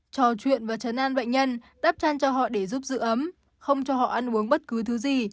trò chuyện và chấn an bệnh nhân đắp chăn cho họ để giúp giữ ấm không cho họ ăn uống bất cứ thứ gì